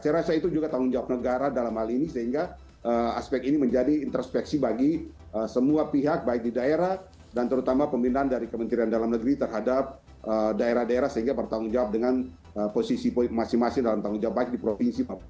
saya rasa itu juga tanggung jawab negara dalam hal ini sehingga aspek ini menjadi introspeksi bagi semua pihak baik di daerah dan terutama pembinaan dari kementerian dalam negeri terhadap daerah daerah sehingga bertanggung jawab dengan posisi masing masing dalam tanggung jawab baik di provinsi papua